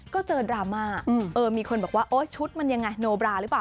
ก็เจอดราม่ามีคนบอกว่าโอ๊ยชุดมันยังไงโนบราหรือเปล่า